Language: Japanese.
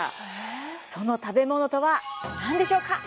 その食べ物とは何でしょうか？